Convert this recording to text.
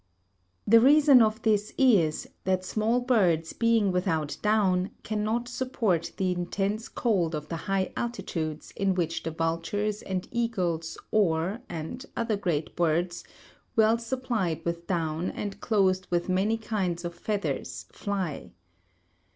The reason of this is that small birds being without down cannot support the intense cold of the high altitudes in which the vultures and eagles or and other great birds, well supplied with down and clothed with many kinds of feathers, [fly].